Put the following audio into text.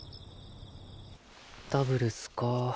・ダブルスか